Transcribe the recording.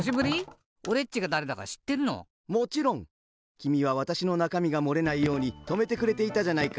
きみはわたしのなかみがもれないようにとめてくれていたじゃないか。